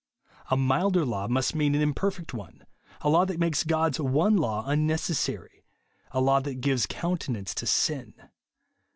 A milder law must mean an im perfect one ; a law that makes God's one law unnecessary ; a law that gives counte nance to sin.